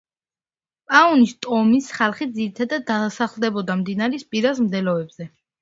პაუნის ტომის ხალხი ძირითადად სახლდებოდა მდინარის პირას, მდელოებზე.